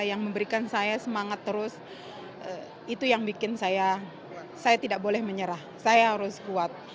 yang memberikan saya semangat terus itu yang bikin saya tidak boleh menyerah saya harus kuat